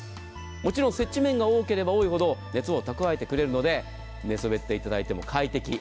もちろん接地面が多ければ多いほど熱を蓄えてくれるので寝そべっていただいても快適。